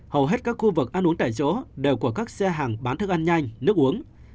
hầu hết các khu vực ăn uống tại chỗ đều có các xe hàng bán thức ăn nhanh nước uống